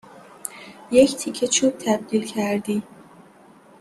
یک تیکه چوب تبدیل کردی